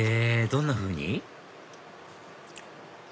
どんなふうに？